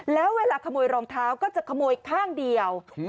แล้วเวลาขโมยรองเท้าก็จะขโมยข้างเดียว